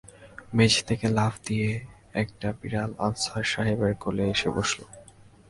মেঝে থেকে লাফ দিয়ে একটা বিড়াল আফসার সাহেবের কোলে এসে বসল।